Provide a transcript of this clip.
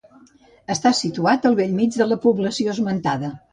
Està situat al bell mig de la població esmentada.